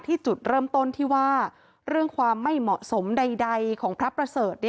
จุดเริ่มต้นที่ว่าเรื่องความไม่เหมาะสมใดของพระประเสริฐ